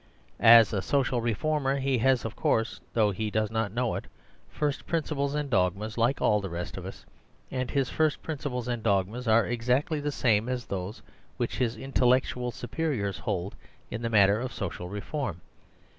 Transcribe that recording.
As a social reformer he has of course (though he does not know it) first principles and dogmas like all the rest of us, and his first principles and dogmas are exactly the same as those which his intellectual su periors hold in the matter of social reform.